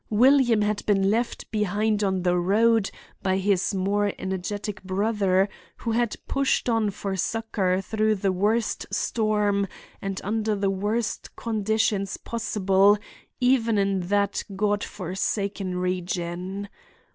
William had been left behind on the road by his more energetic brother, who had pushed on for succor through the worst storm and under the worst conditions possible even in that God forsaken region.